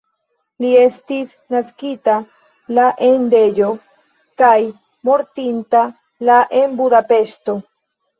Li estis naskita la en Deĵo kaj mortinta la en Budapeŝto.